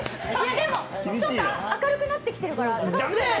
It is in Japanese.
でもちょっと明るくなってきたから。